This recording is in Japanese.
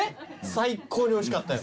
最高においしかったよ。